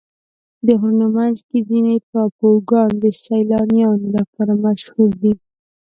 د غرونو منځ کې ځینې ټاپوګان د سیلانیانو لپاره مشهوره دي.